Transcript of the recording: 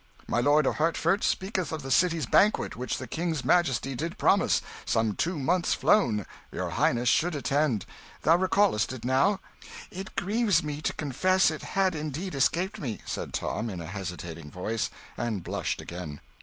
My Lord of Hertford speaketh of the city's banquet which the King's majesty did promise, some two months flown, your highness should attend. Thou recallest it now?" "It grieves me to confess it had indeed escaped me," said Tom, in a hesitating voice; and blushed again.